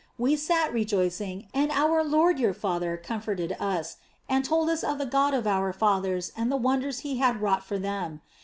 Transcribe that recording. We sat rejoicing, and our lord, your father, comforted us, and told us of the God of our fathers and the wonders He had wrought for them.